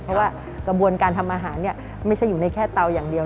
เพราะว่ากระบวนการทำอาหารไม่ใช่อยู่ในแค่เตาอย่างเดียว